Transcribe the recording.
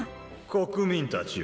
国民たちよ。